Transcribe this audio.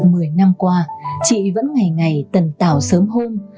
mười năm qua chị vẫn ngày ngày tần tạo sớm hôn